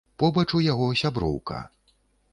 Побач у яго сяброўка.